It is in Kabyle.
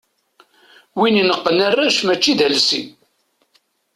Win ineqqen arrac mačči d alsi.